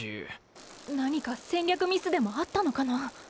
何か戦略ミスでもあったのかな？